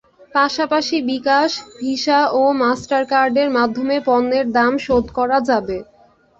পাশাপাশি বিকাশ, ভিসা ও মাস্টারকার্ডের মাধ্যমে পণ্যের দাম শোধ করা যাবে।